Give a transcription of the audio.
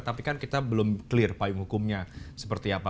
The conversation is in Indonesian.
tapi kan kita belum clear payung hukumnya seperti apa